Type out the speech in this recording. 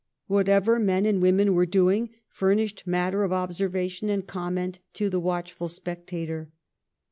Whatever men and women were doing furnished matter of observation and comment to the watchful ' Spectator.'